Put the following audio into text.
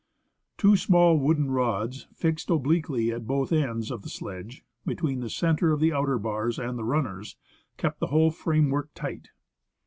Two small wooden rods fixed obliquely at both ends of the sledge, between the centre of the outer bars and the runners, kept the whole framework tight.